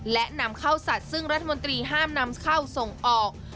และนำเข้าสัตว์ซึ่งรัฐมนตรีห้ามนำเข้าส่งออก